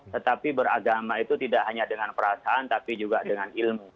tetapi beragama itu tidak hanya dengan perasaan tapi juga dengan ilmu